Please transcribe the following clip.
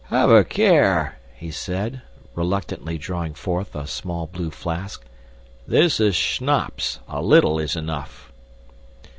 "Have a care!" he said, reluctantly drawing forth a small blue flask. "This is schnapps. A little is enough."